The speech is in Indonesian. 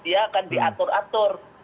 dia akan diatur atur